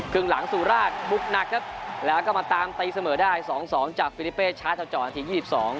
กึ่งหลังสูราคบุกหนักครับแล้วก็มาตามตายเสมอได้๒๒จากฟิลิเปชช้าเทาเจาะนาที๒๒